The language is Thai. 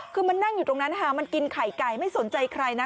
คือมันนั่งอยู่ตรงนั้นค่ะมันกินไข่ไก่ไม่สนใจใครนะ